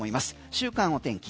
週間お天気。